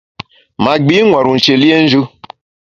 Ma gbi nwar-u nshié liénjù.